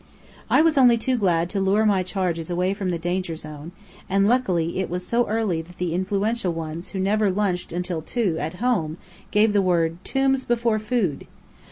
I was only too glad to lure my charges away from danger zone; and luckily it was so early that the influential ones who never lunched until two "at home," gave the word, "Tombs before food."